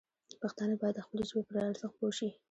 پښتانه باید د خپلې ژبې پر ارزښت پوه شي.